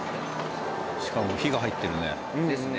しかも火が入ってるね。ですね。